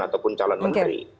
ataupun calon menteri